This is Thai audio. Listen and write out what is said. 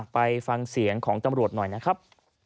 ไปฟังเสียงของตำรวจหน่อยนะครับ